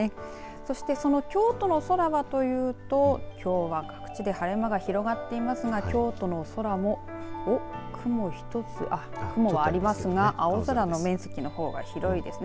その京都の空はというときょうは各地で晴れ間が広まっていますが京都の空も雲はありますが青空の面積の方が広いですね。